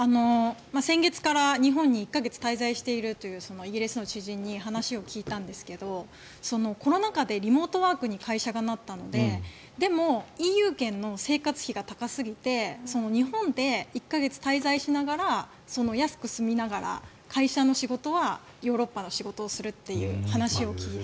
先月から日本に１か月滞在しているというイギリスの知人に話を聞いたんですがコロナ禍でリモートワークに会社がなったのででもＥＵ圏の生活費が高すぎて日本で１か月滞在しながら安く住みながら会社の仕事はヨーロッパの仕事をするという話を聞いて。